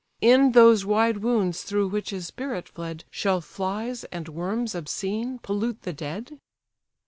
In those wide wounds through which his spirit fled, Shall flies, and worms obscene, pollute the dead?"